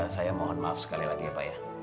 saya mohon maaf sekali lagi ya pak ya